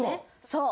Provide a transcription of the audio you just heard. そう！